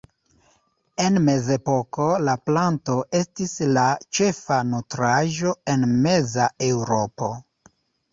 En mezepoko la planto estis la ĉefa nutraĵo en meza Eŭropo.